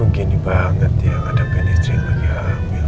begini banget ya ngadepin istri lagi hamil